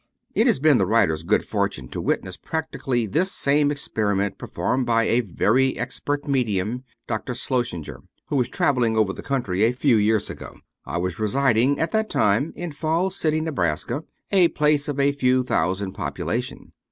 It has been the writer's good fortune to witness prac tically this same experiment, performed by a very expert medium, Dr. Schlossenger, who was traveling over the country a few years ago. I was residing at that time in Falls City, Neb., a place of a few thousand population.